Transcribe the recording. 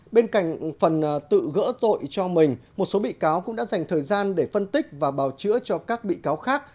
bên cạnh phần tự gỡ tội cho mình một số bị cáo cũng đã dành thời gian để phân tích và bào chữa cho các bị cáo khác